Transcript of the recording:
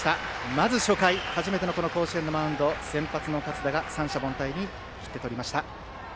まず初回初めての甲子園のマウンド先発の勝田が三者凡退に切って取りました。